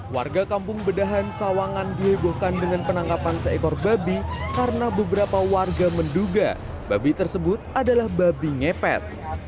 warga kampung bedahan sawangan dihebohkan dengan penangkapan seekor babi karena beberapa warga menduga babi tersebut adalah babi ngepet